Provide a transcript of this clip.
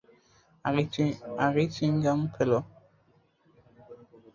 আগে চুইংগাম ফেলো।